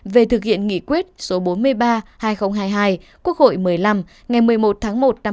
về thực hiện nghị quyết số bốn mươi ba hai nghìn hai mươi hai quốc hội một mươi năm ngày một mươi một tháng một năm hai nghìn hai mươi